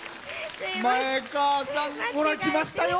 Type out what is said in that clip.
前川さんほら来ましたよ。